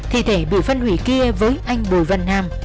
thi thể bị phân hủy kia với anh bùi văn nam